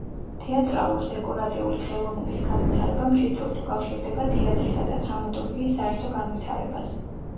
თეატრალურ-დეკორატიული ხელოვნების განვითარება მჭიდროდ უკავშირდება თეატრისა და დრამატურგიის საერთო განვითარებას.